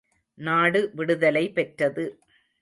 நாடு விடுதலை பெற்றது.